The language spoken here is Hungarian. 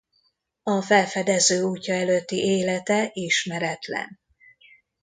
A felfedezőútja előtti élete ismeretlen.